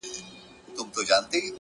ماته دي د سر په بيه دوه جامه راکړي دي،